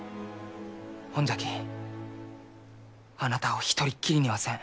ほんじゃきあなたを一人っきりにはせん。